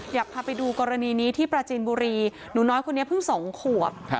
อยากพาไปดูกรณีนี้ที่ปราจีนบุรีหนูน้อยคนนี้เพิ่ง๒ขวบ